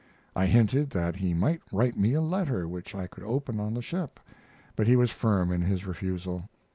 I hinted that he might write me a letter which I could open on the ship; but he was firm in his refusal.